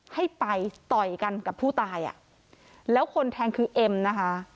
ให้ไปต่อยกันกับผู้ตายอ่ะแล้วคนแทงคือเอ็มนะคะ